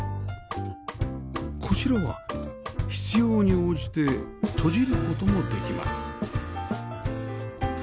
こちらは必要に応じて閉じる事もできます